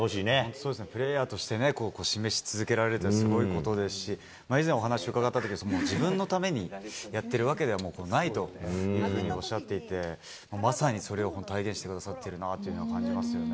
そうですね、プレーヤーとしてね、示し続けられて、すごいことですし、以前お話を伺ったとき、自分のためにやってるわけではないというふうにおっしゃっていて、まさにそれを体現してくださっているなというのは感じますよね。